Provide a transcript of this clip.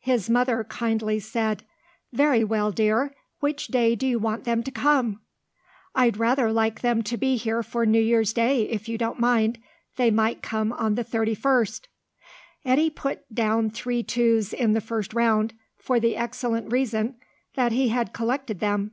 His mother kindly said, "Very well, dear. Which day do you want them to come?" "I'd rather like them to be here for New Year's day, if you don't mind. They might come on the thirty first." Eddy put down three twos in the first round, for the excellent reason that he had collected them.